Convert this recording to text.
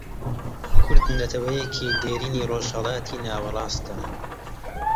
کورد نەتەوەیەکی دێرینی ڕۆژهەڵاتی ناوەڕاستە